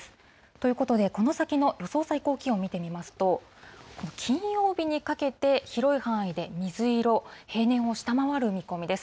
ということで、この先の予想最高気温見てみますと、この金曜日にかけて、広い範囲で水色、平年を下回る見込みです。